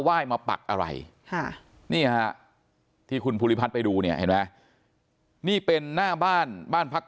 ว่ายมาปักอะไรที่คุณพุธไปดูเนี่ยนี่เป็นหน้าบ้านบ้านพัก